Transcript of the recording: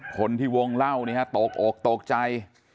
คนที่วงเล่านี่ฮะตกอกตกใจ